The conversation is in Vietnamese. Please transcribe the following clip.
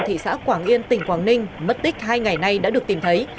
thị xã quảng yên tỉnh quảng ninh mất tích hai ngày nay đã được tìm thấy